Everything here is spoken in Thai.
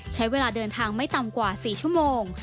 ใช้เวลาเดินทางไม่ต่ำกว่า๔ชั่วโมง